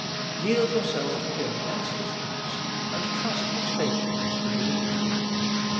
Yield yourself to Him as His house, and trust His faithfulness to do His work.